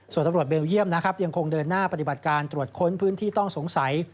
ส่วนตำรวจเบลเยี่ยมนะครับยังคงเดินหน้าปฏิบัติการตรวจค้นพื้นที่ต้องสงสัย